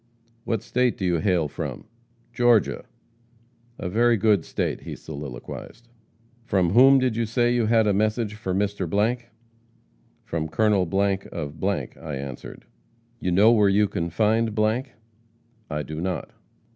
'What state do you hail from?' 'Georgia.' 'A very good state,' he soliloquized. 'From whom did you say you had a message for Mr. ?' 'From Col. , of ,' I answered. 'You know where you can find ?' 'I do not.'